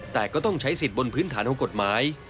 แต่ก็ต้องใช้สิทธิ์บนพื้นฐานของกฎหมาย